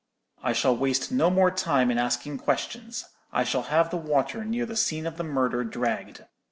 "'I shall waste no more time in asking questions. I shall have the water near the scene of the murder dragged.